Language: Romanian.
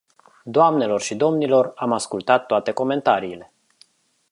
Doamnelor și domnilor, am ascultat toate comentariile.